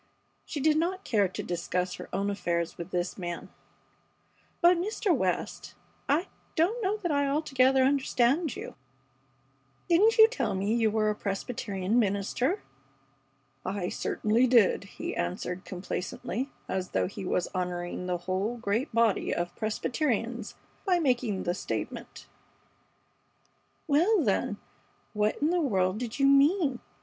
She did not care to discuss her own affairs with this man. "But, Mr. West, I don't know that I altogether understand you. Didn't you tell me that you were a Presbyterian minister?" "I certainly did," he answered, complacently, as though he were honoring the whole great body of Presbyterians by making the statement. "Well, then, what in the world did you mean?